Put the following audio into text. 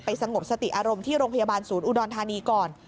สงบสติอารมณ์ที่โรงพยาบาลศูนย์อุดรธานีก่อน